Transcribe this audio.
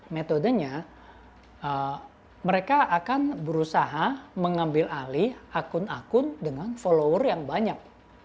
metodenya mereka akan berusaha mengambil alih akun akun dengan follower yang banyak